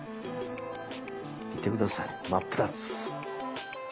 見て下さい真っ二つ。